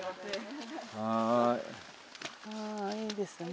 あいいですね